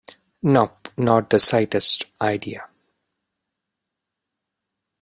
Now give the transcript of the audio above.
Nope, not the slightest idea.